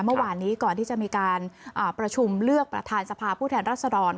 เมื่อวานนี้ก่อนที่จะมีการประชุมเลือกประธานสภาผู้แทนรัศดร